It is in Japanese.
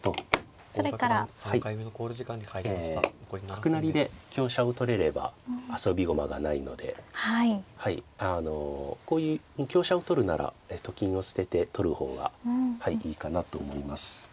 角成りで香車を取れれば遊び駒がないのであのこういう香車を取るならと金を捨てて取る方がいいかなと思います。